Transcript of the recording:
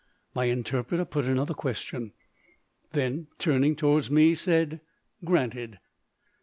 My interpreter put another question, then, turning towards me, said, "Granted."